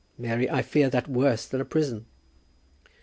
Mary, I fear that worse than a prison."